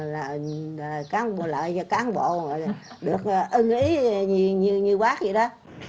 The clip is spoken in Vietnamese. làm sao là cán bộ được ưng ý như bác vậy đó